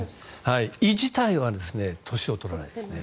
胃自体は年を取らないですね。